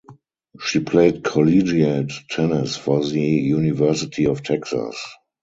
She played collegiate tennis for the University of Texas.